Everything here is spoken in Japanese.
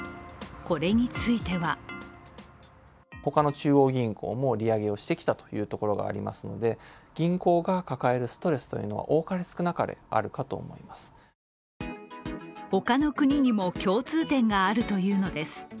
これについては他の国にも共通点があるというのです。